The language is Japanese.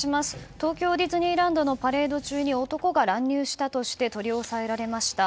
東京ディズニーランドのパレード中に男が乱入したとして取り押さえられました。